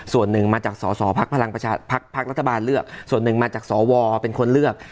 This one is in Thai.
ส่วนหนึ่งมาจากสสพรัฐบาลเลือกส่วนหนึ่งมาจากสวเป็นคนเลือก